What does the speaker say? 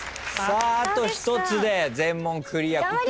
あと１つで全問クリア。